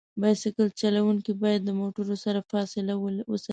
بایسکل چلونکي باید د موټرو سره فاصله وساتي.